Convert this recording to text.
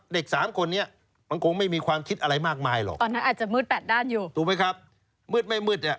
เด็ก๓คนนี้มันคงไม่มีความคิดอะไรมากมายหรอกถูกไหมครับมืดไม่มืด